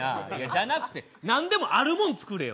じゃなくて、何でもあるもん作れよ